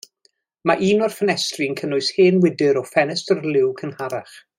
Mae un o'r ffenestri'n cynnwys hen wydr o ffenestr liw cynharach.